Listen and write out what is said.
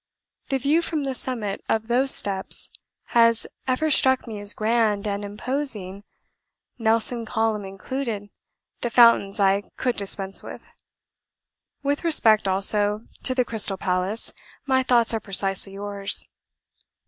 The view from the summit of those steps has ever struck me as grand and imposing Nelson Column included the fountains I could dispense with. With respect, also, to the Crystal Palace, my thoughts are precisely yours.